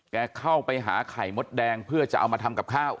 เข้าไปหาไข่มดแดงเพื่อจะเอามาทำกับข้าว